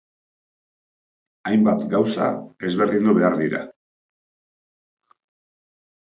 Hainbat gauza ezberdindu behar dira.